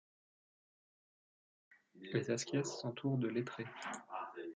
Les Askias s'entourent de lettrés.